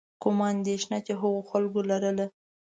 کومه اندېښنه چې هغو خلکو لرله.